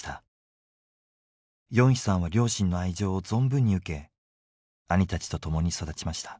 ヨンヒさんは両親の愛情を存分に受け兄たちとともに育ちました。